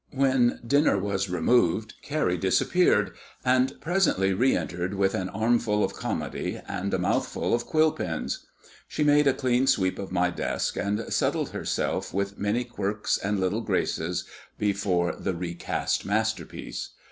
When dinner was removed Carrie disappeared, and presently re entered with an armful of comedy and a mouthful of quill pens. She made a clean sweep of my desk and settled herself with many quirks and little graces before the recast masterpiece.